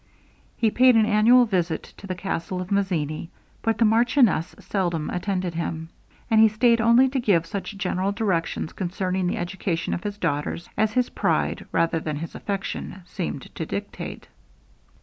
He paid an annual visit to the castle of Mazzini; but the marchioness seldom attended him, and he staid only to give such general directions concerning the education of his daughters, as his pride, rather than his affection, seemed to dictate.